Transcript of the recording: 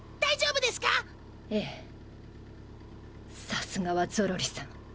さすがはゾロリさん